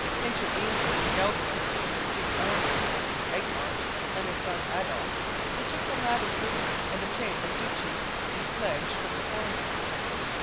Intervening in Gelderland between the Duke Arnold of Egmont and his son Adolf, he took the latter prisoner and obtained the duchy in pledge from the former.